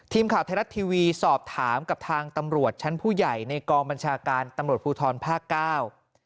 ทีมข่าวไทยรัฐทีวีสอบถามกับทางตำรวจชั้นผู้ใหญ่ในกองบัญชาการตำรวจภูทรภาคเก้า